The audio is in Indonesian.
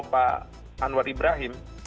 pak anwar ibrahim